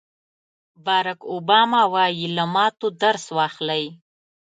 باراک اوباما وایي له ماتو درس واخلئ.